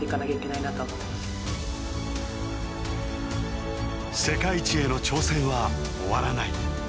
世界一への挑戦は終わらない。